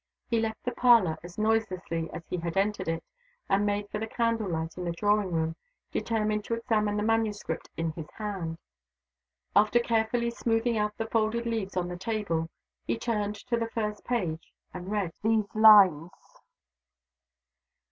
He left the parlor as noiselessly as he had entered it, and made for the candle light in the drawing room, determined to examine the manuscript in his hand. After carefully smoothing out the folded leaves on the table, he turned to the first page, and read these lines.